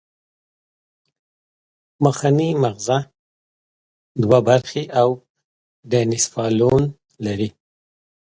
مخنی مغزه دوه برخې او ډاینسفالون لري